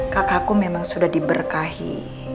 kakakku memang sudah diberkahi